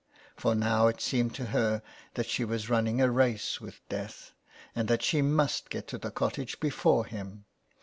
For now it seemed to her that she was running a race with Death, and that she must get to the cottage before him.